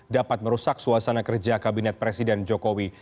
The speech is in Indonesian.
dapat merusak suasana kerja kabinet presiden jokowi